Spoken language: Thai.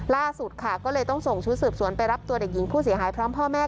ล่าสุดค่ะก็เลยต้องส่งชุดสืบสวนไปรับตัวเด็กหญิงผู้เสียหายพร้อมพ่อแม่